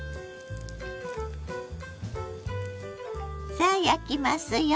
さあ焼きますよ。